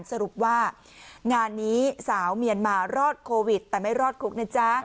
สรุปว่างานนี้สาวเมียนมารอดโควิดแต่ไม่รอดคุกนะจ๊ะ